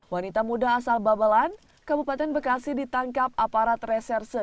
wanita muda asal babelan kabupaten bekasi ditangkap aparat reserse